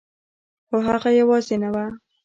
خو هغه یوازې نه وه